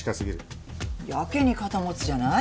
やけに肩持つじゃない？